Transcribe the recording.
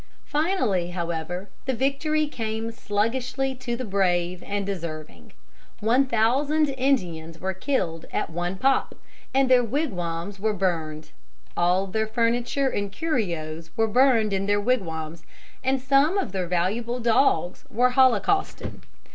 Finally, however, the victory came sluggishly to the brave and deserving. One thousand Indians were killed at one pop, and their wigwams were burned. All their furniture and curios were burned in their wigwams, and some of their valuable dogs were holocausted.